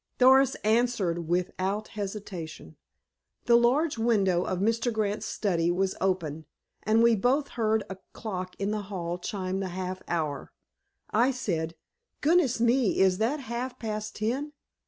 Doris answered without hesitation: "The large window of Mr. Grant's study was open, and we both heard a clock in the hall chime the half hour. I said, 'Goodness me, is that half past ten?